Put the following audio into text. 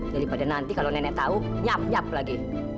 daripada nanti kalau nenek tahu nyap nyap lagi